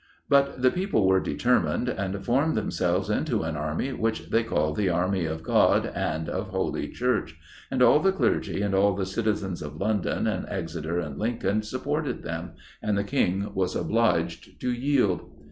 But the people were determined, and formed themselves into an army, which they called the 'Army of God, and of Holy Church,' and all the clergy, and all the citizens of London, and Exeter, and Lincoln, supported them, and the King was obliged to yield.